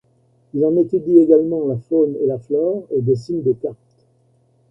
Il en étudie également la faune et la flore et dessine des cartes.